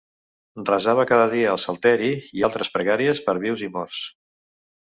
Resava cada dia el salteri i altres pregàries per vius i morts.